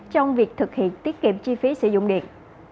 trong việc thực hiện tiết kiệm chi phí sử dụng điện